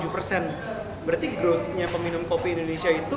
berarti growth nya peminum kopi indonesia itu